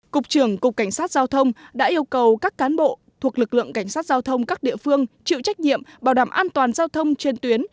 cục trưởng cục cảnh sát giao thông đã yêu cầu các cán bộ thuộc lực lượng cảnh sát giao thông các địa phương chịu trách nhiệm bảo đảm an toàn giao thông trên tuyến